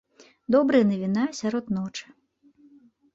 Добрая навіна сярод ночы.